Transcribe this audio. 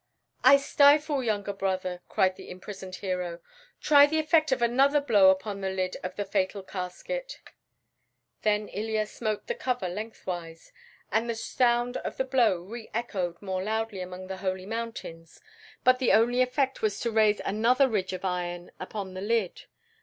"I stifle, younger brother," cried the imprisoned hero. "Try the effect of another blow upon the lid of the fatal casket." Then Ilya smote the cover lengthwise, and the sound of the blow re echoed more loudly among the Holy Mountains; but the only effect was to raise another ridge of iron upon the lid.